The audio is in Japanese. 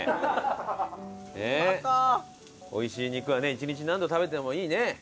おいしい肉はね一日何度食べてもいいね。